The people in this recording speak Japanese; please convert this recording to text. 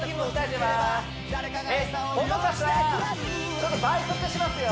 ちょっと倍速しますよ